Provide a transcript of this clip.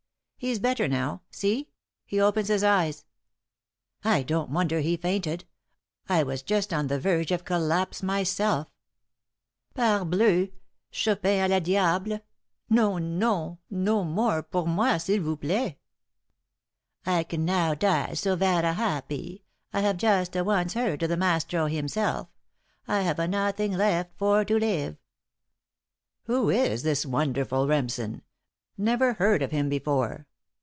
"He's better now. See, he opens his eyes." "I don't wonder he fainted; I was just on the verge of collapse myself." "Parblen! Chopin à la diable! Non, non, no more pour moi, s'il vous plait!" "I can now die so vara happy! I hava justa once heard the maestro himself. I hava nothing left for to live." "Who is this wonderful Remsen? Never heard of him before."